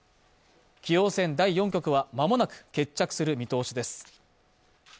棋王戦第４局は、間もなく決着する見通しです。